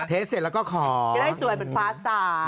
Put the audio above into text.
เทสเสร็จเราก็ขอได้สวยเหมือนฟ้าสาย